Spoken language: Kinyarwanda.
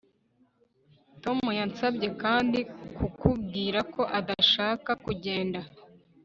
Tom yansabye kandi kukubwira ko adashaka kugenda